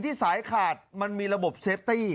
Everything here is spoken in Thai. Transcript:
ที่สายขาดมันมีระบบเซฟตี้